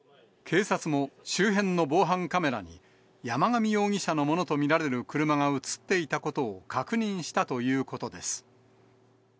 警察も周辺の防犯カメラに山上容疑者のものと見られる車が写っていたことを確認したということです。